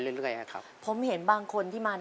ขอเชิญปูชัยมาตอบชีวิตเป็นคนต่อไปครับ